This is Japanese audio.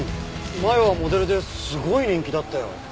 前はモデルですごい人気だったよ。